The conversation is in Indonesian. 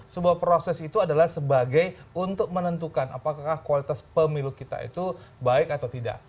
sebuah proses itu adalah sebagai untuk menentukan apakah kualitas pemilu kita itu baik atau tidak